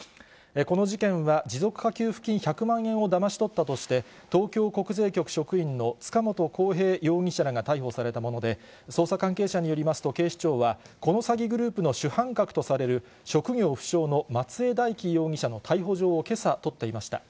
この事件は、持続化給付金１００万円をだまし取ったとして、東京国税局職員の塚本晃平容疑者らが逮捕されたもので、捜査関係者によりますと、警視庁は、この詐欺グループの主犯格とされる、職業不詳の松江大樹容疑者の逮捕状をけさ取っていました。